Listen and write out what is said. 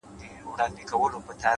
لوړ همت له ستړیا پورته وي؛